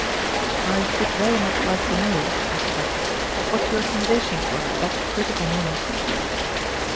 "I should very much like to know," he suggested, " what your sensations were at that critical moment."